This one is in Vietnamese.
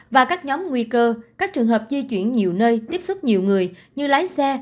và các nhóm nguy cơ các trường hợp di chuyển nhiều nơi tiếp xúc nhiều người như lái xe